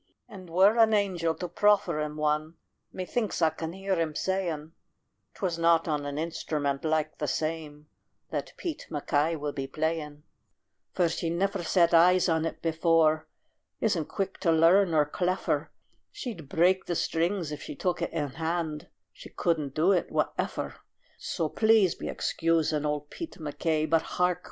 And were an angel to proffer him one, Methinks I can hear him saying: "'Twas not on an instrument like the same That Pete MacKay will be playing, "For she neffer set eyes on it before, Isn't quick to learn, or cleffer; She'd break the strings if she took it in hand, She couldn't do it, whateffer. "So please be excusing old Pete MacKay But hark!